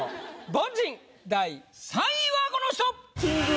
凡人第３位はこの人！